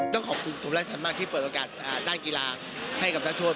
ต้องขอบคุณกรมราชธรรมมากที่เปิดโอกาสด้านกีฬาให้กับนักโทษ